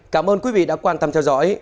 cảm ơn quý vị đã quan tâm theo dõi